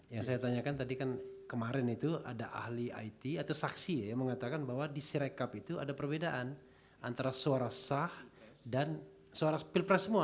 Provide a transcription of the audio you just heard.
yang saya tanyakan tadi kan kemarin itu ada ahli it atau saksi yang mengatakan bahwa di sirekap itu ada perbedaan antara suara sah dan suara pilpres semua